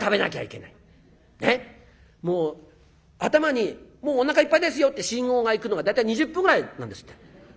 頭に「もうおなかいっぱいですよ」って信号が行くのが大体２０分ぐらいなんですって。